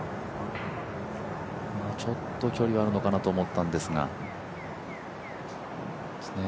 ちょっと距離があるのかなと思ったんですが。